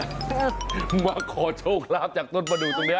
มาขอโชคลาภจากต้นประดูกตรงนี้